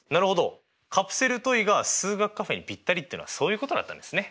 カプセルトイが数学カフェにぴったりっていうのはそういうことだったんですね。